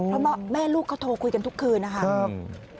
เพราะแม่ลูกเขาโทรคุยกันทุกคืนนะครับ